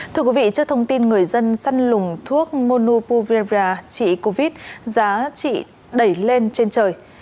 trước thông tin người dân săn lùng thuốc monopulvera trị covid giá trị đẩy lên trên trời